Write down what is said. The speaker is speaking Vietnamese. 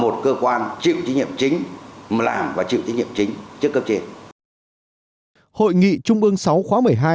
trong khai mạc hội nghị trung ương sáu khóa một mươi hai ngày bốn tháng một mươi vừa qua